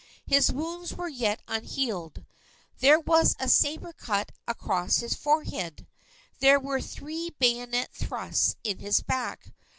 His wounds were yet unhealed. There was a sabre cut across his forehead. There were three bayonet thrusts in his back.